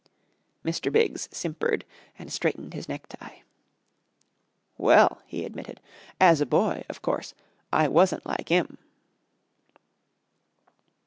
Mr. Biggs simpered and straightened his necktie. "Well," he admitted, "as a boy, of course, I wasn't like 'im."